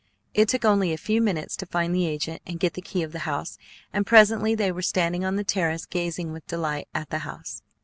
It took only a few minutes to find the agent and get the key of the house, and presently they were standing on the terrace gazing with delight at the house.